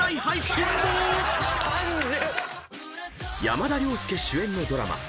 ［山田涼介主演のドラマ